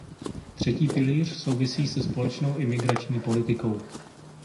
Třetí pilíř souvisí se společnou imigrační politikou.